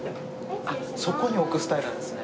そこに置くスタイルなんですね。